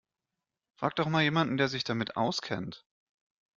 Frag doch mal jemanden, der sich damit auskennt.